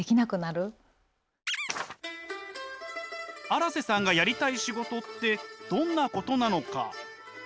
荒瀬さんがやりたい仕事ってどんなことなのか？